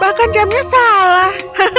bahkan jamnya salah